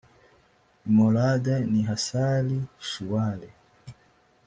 i molada n i hasari shuwali